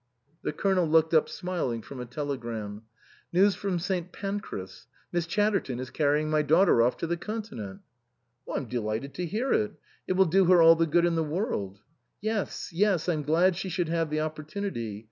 The Colonel looked up smiling from a tele gram. " News from St. Pancras. Miss Chatter ton is carrying my daughter off to the Continent." " I'm delighted to hear it. It will do her all the good in the world." " Yes, yes ; I'm glad she should have the opportunity.